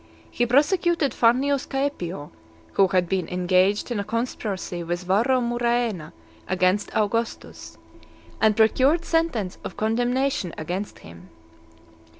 He prosecuted Fannius Caepio, who had been engaged in a conspiracy with Varro Muraena against Augustus, and procured sentence of condemnation against him.